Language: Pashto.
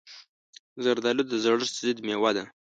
زردالو د زړښت ضد مېوه ده.